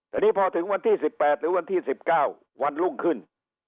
แต่นี่พอถึงวันที่๑๘หรือวันที่๑๙วันรุ่งขึ้น